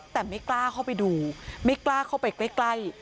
แต่ไม่กล้าเข้าไปดูไม่กล้าเข้าไปใกล้